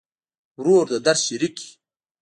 ورور د درد شریک وي.